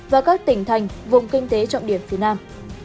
và các tỉnh thành vùng kinh tế trọng điểm phía nam